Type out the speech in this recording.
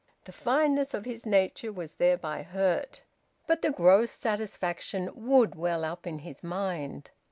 The fineness of his nature was thereby hurt. But the gross satisfaction would well up in his mind.